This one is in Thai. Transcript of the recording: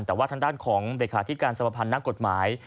แต่ว่าทางด้านของเลขาธิการสมพันธ์นักกฎหมาย